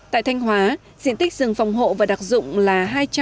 tại thanh hóa diện tích rừng phòng hộ và đặc dụng là hai trăm bốn mươi sáu